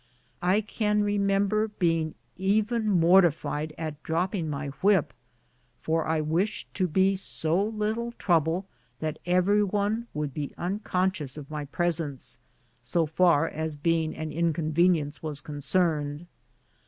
I can re member being even mortified at dropping my whip, for I wished to be so little trouble that every one would be unconscious of my presence, so far as being an incon venience was concerned.